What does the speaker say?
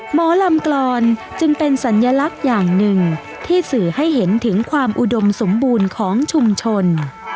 หมอลำกลอนจึงเป็นสัญลักษณ์อย่างหนึ่งที่สื่อให้เห็นถึงความอุดมสมบูรณ์ของชุมชน